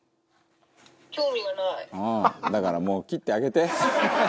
「だからもう切ってあげて」